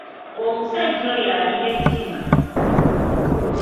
Omusajja oyo alina ettima.